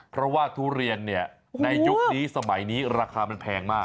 เพราะว่าทุเรียนเนี่ยในยุคนี้สมัยนี้ราคามันแพงมาก